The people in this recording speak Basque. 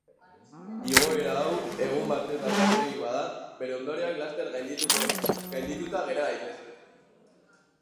Igoera hau egun batzuetakoa soilik bada, bere ondorioak laster gaindituta gera daitezke.